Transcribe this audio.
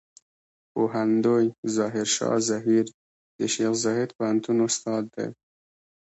پوهندوی ظاهر شاه زهير د شیخ زايد پوهنتون استاد دی.